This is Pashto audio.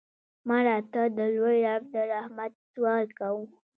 مړه ته د لوی رب د رحمت سوال کوو